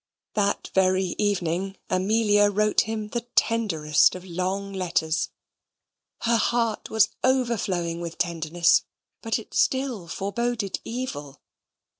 That very evening Amelia wrote him the tenderest of long letters. Her heart was overflowing with tenderness, but it still foreboded evil.